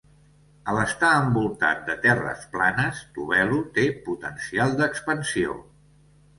Al estar envoltat de terres planes, Tobelo té potencial d'expansió.